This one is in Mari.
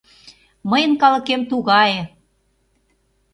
Мыйын калыкем тугае, —